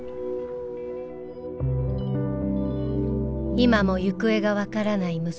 今も行方が分からない娘。